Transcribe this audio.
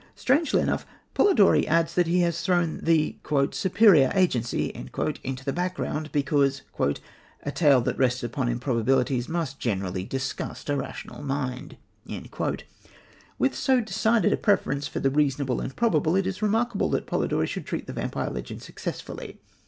Strangely enough, Polidori adds that he has thrown the "superior agency" into the background, because "a tale that rests upon improbabilities must generally disgust a rational mind." With so decided a preference for the reasonable and probable, it is remarkable that Polidori should treat the vampire legend successfully.